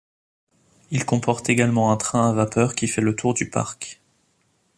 Il comporte également un train à vapeur qui fait le tour du parc.